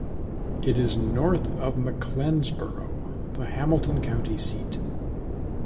It is north of McLeansboro, the Hamilton County seat.